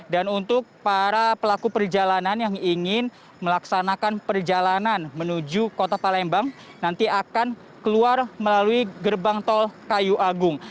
untuk para pelaku perjalanan yang ingin melaksanakan perjalanan menuju kota palembang nanti akan keluar melalui gerbang tol kayu agung